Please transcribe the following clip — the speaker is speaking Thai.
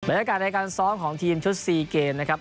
ยากาศในการซ้อมของทีมชุด๔เกมนะครับ